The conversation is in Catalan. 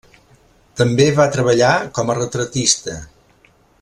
També va treballar com a retratista.